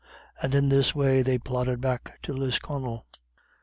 And in this way they plodded back to Lisconnel.